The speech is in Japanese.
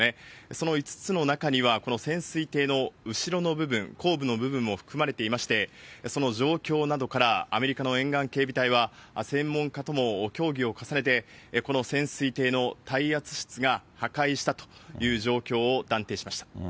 その５つの中には、この潜水艇の後ろの部分、後部の部分も含まれていまして、その状況などから、アメリカの沿岸警備隊は、専門家とも協議を重ねて、この潜水艇の耐圧室が破壊したという状況を断定しました。